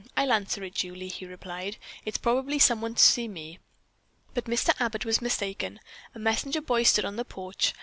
"I'll answer it, Julie," he replied. "It is probably some one to see me." But Mr. Abbott was mistaken. A messenger boy stood on the porch.